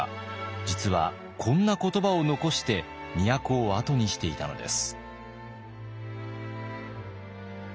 実はこんな言葉を残して都を後にしていたのです。